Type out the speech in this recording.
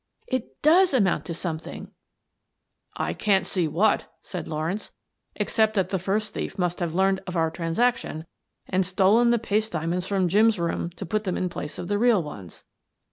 It does amount to something !"" I can't see what," said Lawrence, " except that the first thief must have learned of our transaction and stolen the paste diamonds from Jim's room to put them in place of the real ones."